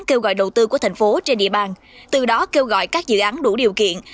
kêu gọi đầu tư của thành phố trên địa bàn từ đó kêu gọi các dự án đủ điều kiện